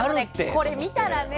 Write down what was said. これを見たらね。